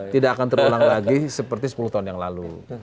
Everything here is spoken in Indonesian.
tidak akan terulang lagi seperti sepuluh tahun yang lalu